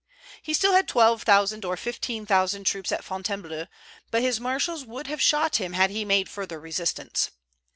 He still had twelve thousand or fifteen thousand troops at Fontainebleau; but his marshals would have shot him had he made further resistance.